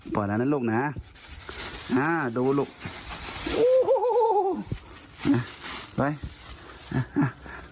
พอแล้วนะลูกนะอ่าดูลูกโอ้โหอ่ะไปอ่า